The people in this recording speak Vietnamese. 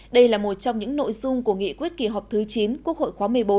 đây là một trong những nội dung của nghị quyết kỳ họp thứ chín quốc hội khóa một mươi bốn